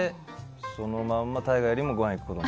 そのまんま、大我よりもごはんに行くように。